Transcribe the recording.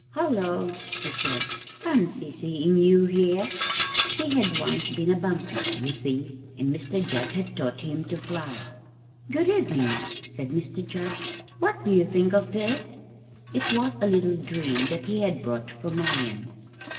"Hullo!" he said; "fancy seeing you here!" He had once been a bumpy, you see, and Mr Jugg had taught him to fly. "Good evening," said Mr Jugg; "what do you think of this?" It was a little dream that he had brought for Marian.